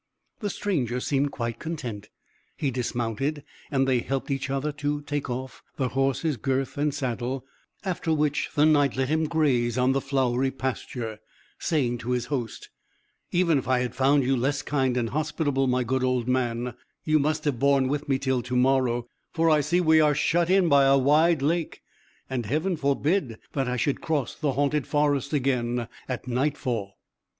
The stranger seemed quite content; he dismounted, and they helped each other to take off the horse's girth and saddle, after which the Knight let him graze on the flowery pasture, saying to his host, "Even if I had found you less kind and hospitable, my good old man, you must have borne with me till to morrow; for I see we are shut in by a wide lake and Heaven forbid that I should cross the haunted forest again at nightfall!"